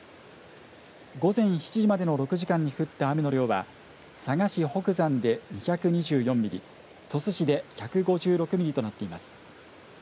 午前７時までの６時間に降った雨の量は佐賀市北山で１２４ミリ、鳥栖市で１５６ミリとなっています。